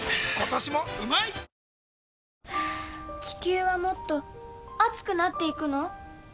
地球はもっと熱くなっていくの？